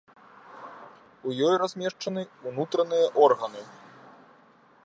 У ёй размешчаны ўнутраныя органы.